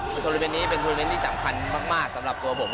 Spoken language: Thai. ถูกนะฮึบริเวณนี้เป็นบริเวณที่สำคัญมากสำหรับตัวผมครับ